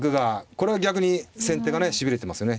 これは逆に先手がねしびれてますね。